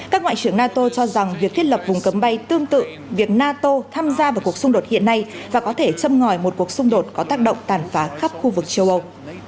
các ngoại trưởng nato cho rằng việc thiết lập vùng cấm bay tương tự việc nato tham gia vào cuộc xung đột hiện nay và có thể châm ngòi một cuộc xung đột có tác động tàn phá khắp khu vực châu âu